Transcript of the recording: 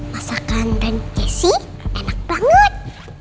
masakan dan kesi enak banget